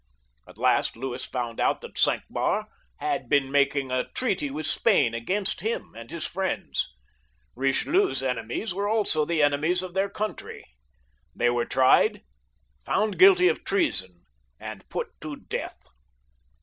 At last Louis found out that Cinq Mars had also been making a treaty with Spain against him and his friends. Eichelieu's enemies were also the enemies of their coimtry. They were tried, found guilty of treason, and put to death.